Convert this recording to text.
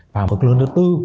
và mực lượng thứ tư